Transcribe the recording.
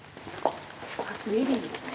ウエディングですね。